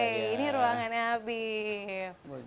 oke ini ruangannya habib